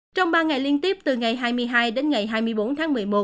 trong ba ngày liên tiếp từ ngày hai mươi hai đến ngày hai mươi bốn tháng một mươi một